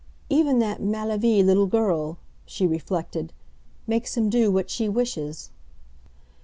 "Even that mal élevée little girl," she reflected, "makes him do what she wishes."